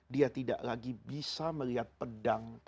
dia tidak lagi bisa melihat pedang